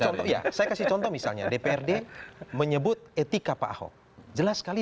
contoh ya saya kasih contoh misalnya dprd menyebut etika pak ahok jelas sekali